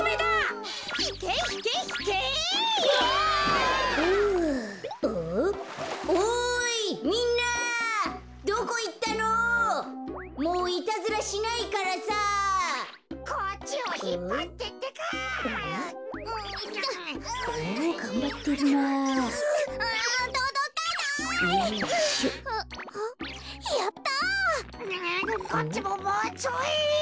ううこっちももうちょい。